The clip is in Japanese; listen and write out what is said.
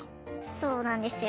そうなんですよ。